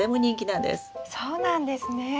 そうなんですね。